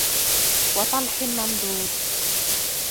وَطَلْحٍ مَّنضُودٍ